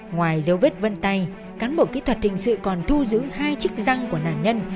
ngoài dấu vết vân tay cán bộ kỹ thuật hình sự còn thu giữ hai chức răng của nạn nhân